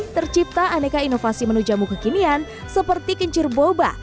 tercipta aneka inovasi menu jamu kekinian seperti kencur boba